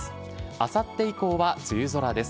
あさって以降は梅雨空です。